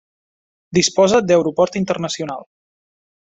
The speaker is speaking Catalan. Disposa d'aeroport internacional.